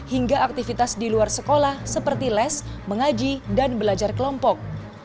hingga aktivitas di luar sekolah seperti les mengaji dan belajar kelompok